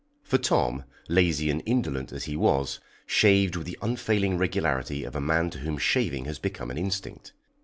For Tom, lazy and indolent as he was, shaved with the unfailing regularity of a man to whom shaving has become an instinct.